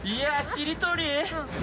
しりとり。